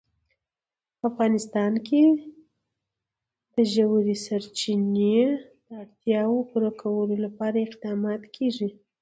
په افغانستان کې د ژورې سرچینې د اړتیاوو پوره کولو لپاره اقدامات کېږي.